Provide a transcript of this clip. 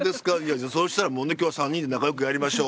じゃあそうしたらもうね今日は３人で仲良くやりましょう。